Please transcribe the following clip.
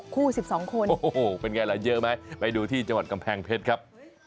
คู่๑๒คนโอ้โหเป็นไงล่ะเยอะไหมไปดูที่จังหวัดกำแพงเพชรครับ